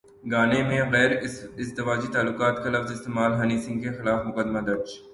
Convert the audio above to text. گانے میں غیر ازدواجی تعلقات کا لفظ استعمال ہنی سنگھ کے خلاف مقدمہ درج